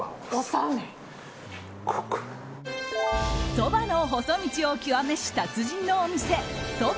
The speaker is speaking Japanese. そばの細道を極めし達人のお店蕎麦